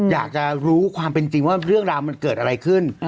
อยากจะรู้ความเป็นจริงว่าเรื่องราวมันเกิดอะไรขึ้น